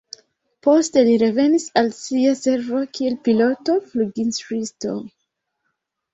Poste li revenis al sia servo kiel piloto-fluginstruisto.